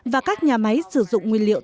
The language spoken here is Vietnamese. và các nhà máy sử dụng nguyên liệu